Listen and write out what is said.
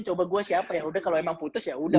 coba gue siapa ya udah kalau emang putus yaudah